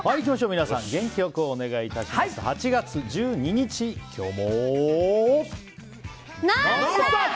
皆さん、元気良くお願いします。